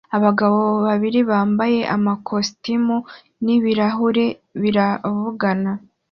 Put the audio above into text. Abagabo babiri bambaye amakositimu n'ibirahure baravugana